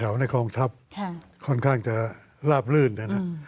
แต่ว่าในครองทรัพย์ค่อนข้างจะลาบลื่น